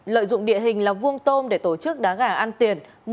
lợi dụng địa hình là vuông tôm để tổ chức đá gà ăn tiền